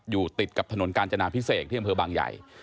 อยู่ติดกับถนนกาญจนาพิเศษที่อำเภอบางใหญ่